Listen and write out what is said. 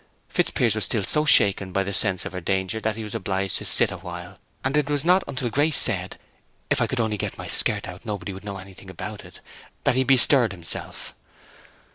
Fitzpiers was still so shaken by the sense of her danger that he was obliged to sit awhile, and it was not until Grace said, "If I could only get my skirt out nobody would know anything about it," that he bestirred himself.